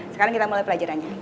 sekarang kita mulai pelajarannya